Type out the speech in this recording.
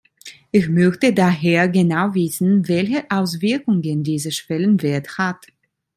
Ich möchte daher genau wissen, welche Auswirkungen dieser Schwellenwert hat.